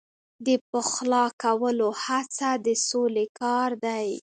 د پخلا کولو هڅه د سولې کار دی.